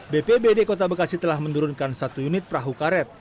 bpbd kota bekasi telah menurunkan satu unit perahu karet